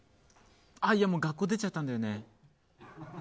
俺、もう学校出ちゃったんだよね。